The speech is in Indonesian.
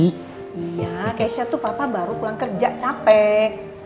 iya keisha tuh papa baru pulang kerja capek